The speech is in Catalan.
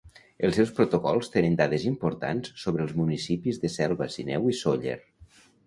Els seus protocols tenen dades importants sobre els municipis de Selva, Sineu i Sóller.